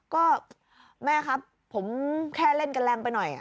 ก็แม่ครับผมแค่เล่นกันแรงไปหน่อย